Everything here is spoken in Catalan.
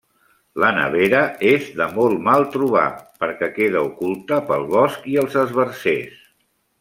La nevera és de molt mal trobar, perquè queda oculta pel bosc i els esbarzers.